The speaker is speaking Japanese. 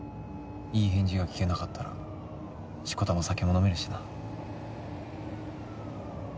いい返事が聞けなかったらしこたま酒も飲めるしな。